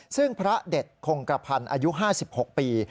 ซึ่งพระเด็ดคงกระพันธ์อายุ๕๖ปี